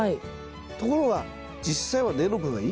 ところが実際は根の部分は生きてる。